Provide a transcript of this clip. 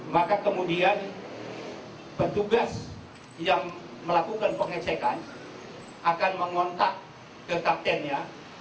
maka kemudian petugas yang melakukan pengecekan akan mengontak ke kaptennya